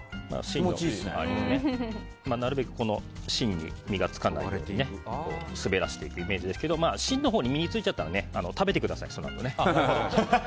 なるべく芯に実がつかないように滑らせていくイメージですけど芯のほうに実がついちゃったら食べてください、そのあと。